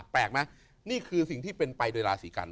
แปลกไหมนี่คือสิ่งที่เป็นไปโดยราศีกัน